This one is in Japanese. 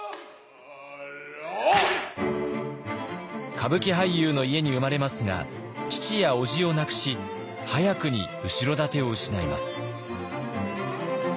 歌舞伎俳優の家に生まれますが父やおじを亡くし早くに後ろ盾を失います。